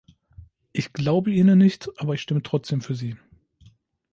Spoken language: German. Ich glaube Ihnen nicht, aber ich stimme trotzdem für Sie.